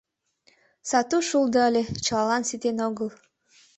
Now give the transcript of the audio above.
— Сату шулдо ыле, чылалан ситен огыл.